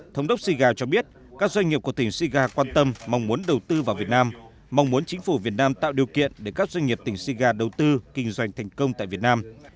thống đốc suga cho biết các doanh nghiệp của tỉnh siga quan tâm mong muốn đầu tư vào việt nam mong muốn chính phủ việt nam tạo điều kiện để các doanh nghiệp tỉnh siga đầu tư kinh doanh thành công tại việt nam